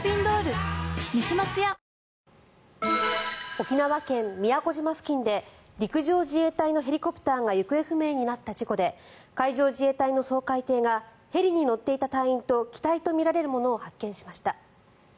沖縄県・宮古島付近で陸上自衛隊のヘリコプターが行方不明になった事故で海上自衛隊の掃海艇がヘリに乗っていた隊員と機体とみられるものを発見しました。